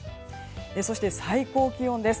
そして、最高気温です。